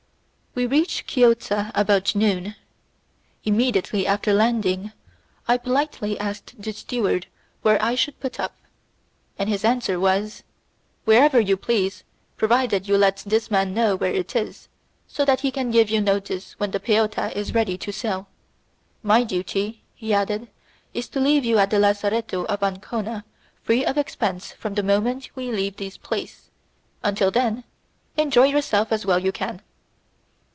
We reached Chiozza about noon. Immediately after landing, I politely asked the steward where I should put up, and his answer was: "Wherever you please, provided you let this man know where it is, so that he can give you notice when the peotta is ready to sail. My duty," he added, "is to leave you at the lazzaretto of Ancona free of expense from the moment we leave this place. Until then enjoy yourself as well as you can."